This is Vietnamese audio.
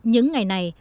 những ngày này